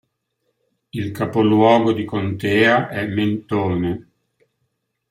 Il capoluogo di contea è Mentone.